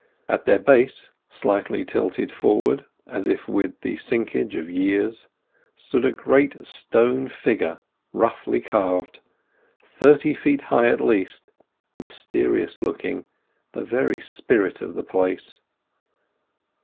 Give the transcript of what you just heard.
At their base, slightly tilted forward as if with the sinkage of years, stood a great stone figure roughly carved, thirty feet high at least—mysterious looking, the very spirit of the place.